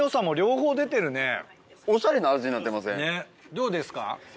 どうですか？